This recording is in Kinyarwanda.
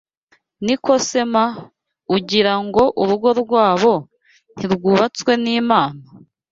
Niko se ma ! Ugira ngo urugo rwabo ntirwubatswe n’Imana!